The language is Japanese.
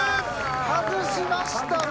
外しましたね。